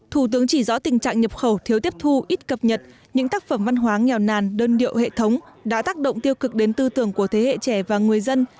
thủ tướng chỉ rõ tình trạng nhập khẩu thiếu tiếp thu ít cập nhật những tác phẩm văn hóa nghèo nàn đơn điệu hệ thống đã tác động tiêu cực đến tư tưởng của thế hệ trẻ và người dân